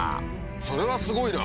それはすごいな！